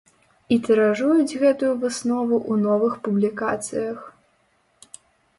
І тыражуюць гэтую выснову ў новых публікацыях.